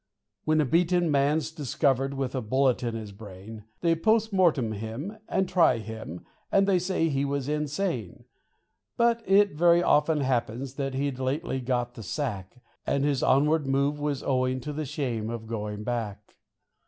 When a beaten man's discovered with a bullet in his brain, They POST MORTEM him, and try him, and they say he was insane; But it very often happens that he'd lately got the sack, And his onward move was owing to the shame of going back.